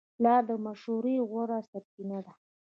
پلار د مشورې غوره سرچینه ده.